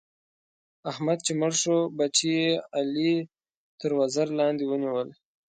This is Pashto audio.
احمد چې مړ شو؛ بچي يې علي تر وزر باندې ونيول.